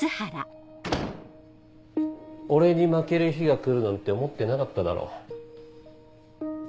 俺に負ける日が来るなんて思ってなかっただろ。